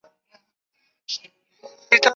断头台于越南共和国都有被采用。